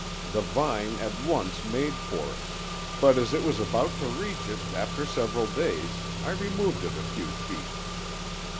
The vine at once made for it, but as it was about to reach it after several days I removed it a few feet.